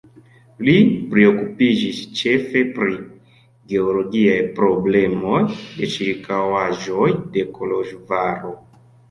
Li priokupiĝis ĉefe pri geologiaj problemoj de ĉirkaŭaĵoj de Koloĵvaro.